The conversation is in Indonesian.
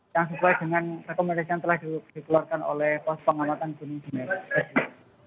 yang sesuai dengan rekomendasi yang telah dikeluarkan oleh pusat pengamatan gunung semeru